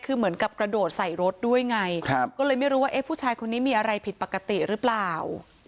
คือเหมือนกับกระโดดใส่รถด้วยไงก็เลยไม่รู้ว่าเอ๊ะผู้ชายคนนี้มีอะไรผิดปกติหรือเปล่า